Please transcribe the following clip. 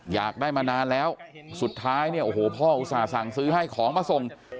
อยากได้มานานแล้วสุดท้ายเนี่ยโอ้โหพ่ออุตส่าห์สั่งซื้อให้ของมาส่ง